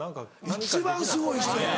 一番すごい人や。